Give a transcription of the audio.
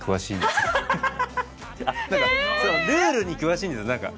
すごいルールに詳しいんですよ何か。